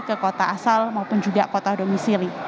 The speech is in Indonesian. ke kota asal maupun juga kota domisili